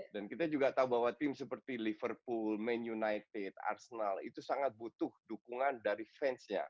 dan kita juga tahu bahwa tim seperti liverpool man united arsenal itu sangat butuh dukungan dari fansnya